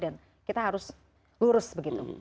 kita harus lurus begitu